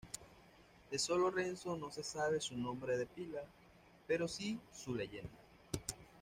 De Solo Renzo no se sabe su nombre de pila, pero sí su leyenda.